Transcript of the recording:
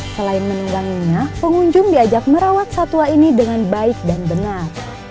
selain menungganginya pengunjung diajak merawat satwa ini dengan baik dan benar